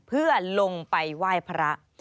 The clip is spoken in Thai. เพื่อลงไปไหว้พระ